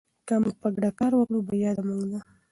که موږ په ګډه کار وکړو بریا زموږ ده.